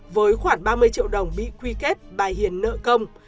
với khoảng ba mươi triệu đồng bị quy kết bà hiền nợ công